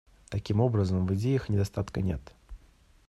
Таким образом, в идеях недостатка нет.